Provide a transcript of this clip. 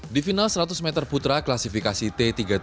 di final seratus meter putra klasifikasi t tiga puluh tujuh